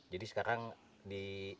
jadi sekarang di